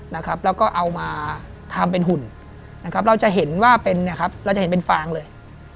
แล้วก็เอามาทำเป็นหุ่นเราจะเห็นว่าเป็นฟางเลย